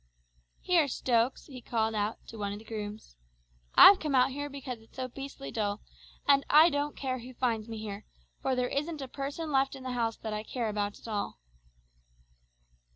"Here, Stokes," he called out to one of the grooms, "I've come out here because it's so beastly dull, and I don't care who finds me here; for there isn't a person left in the house that I care about at all!"